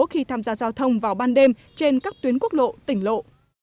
khi tham gia giao thông vào ban đêm trên các tuyến quốc lộ tỉnh lộ